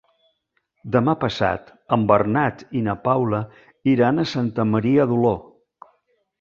Demà passat en Bernat i na Paula iran a Santa Maria d'Oló.